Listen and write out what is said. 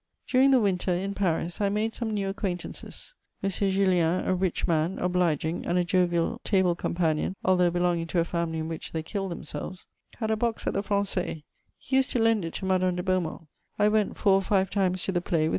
During the winter, in Paris, I made some new acquaintances. M. Jullien, a rich man, obliging, and a jovial table companion, although belonging to a family in which they killed themselves, had a box at the Français; he used to lend it to Madame de Beaumont: I went four or five times to the play with M.